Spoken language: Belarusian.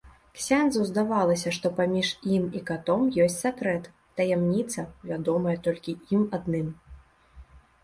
Ксяндзу здавалася, што паміж ім і катом ёсць сакрэт, таямніца, вядомая толькі ім адным.